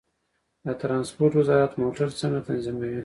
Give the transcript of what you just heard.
د ترانسپورت وزارت موټر څنګه تنظیموي؟